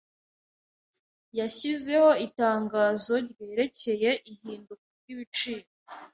Yashyizeho itangazo ryerekeye ihinduka ryibiciro.